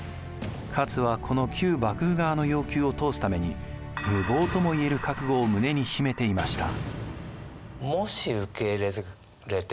勝はこの旧幕府側の要求を通すために無謀ともいえる覚悟を胸に秘めていました。